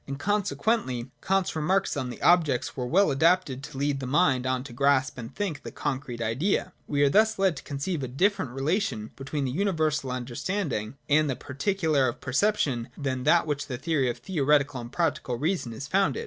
And consequently Kant's remarks on these objects were well adapted to lead the mind on to grasp and think the concrete Idea. 56.] We are thus led to conceive a different relation between the universal of understanding and the par ticular of perception, than that on which the theory of the Theoretical and Practical Reason is founded.